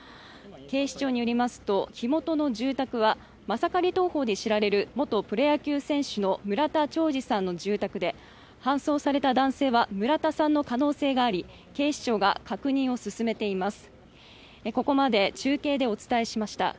警視庁によりますと火元の住宅はマサカリ投法で知られる元プロ野球選手の村田兆治さんの住宅で搬送された男性は村田さんの可能性があり警視庁が確認を進めています。